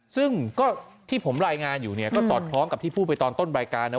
ซึ่งก็ที่ผมรายงานอยู่เนี่ยก็สอดคล้องกับที่พูดไปตอนต้นรายการนะ